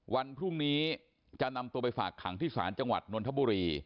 วันพรุ่งนี้จะนำตัวไปฝากขังที่ศาลจังหวัดนนทบุรี